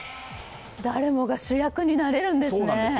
誰もが主役になれるんですね。